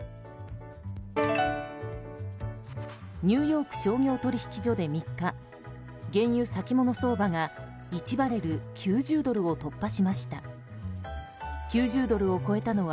ニューヨーク商業取引所で３日原油先物相場が１バレル＝９０ドルを突破しました。